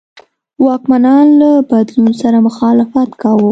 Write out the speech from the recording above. واکمنان له بدلون سره مخالفت کاوه.